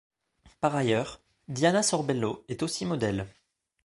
Par ailleurs, Diana Sorbello est aussi modèle.